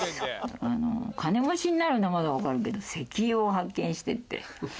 金持ちになるのはまだわかるけど石油を発見してって。